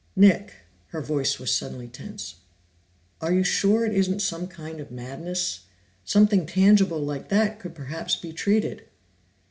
"Nick " Her voice was suddenly tense. "Are you sure it isn't some kind of madness? Something tangible like that could perhaps be treated."